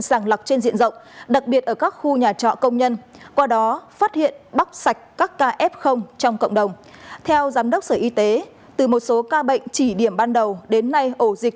sàng lọc trên diện rộng